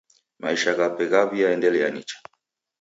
Maisha ghape ghaw'iaendelia nicha.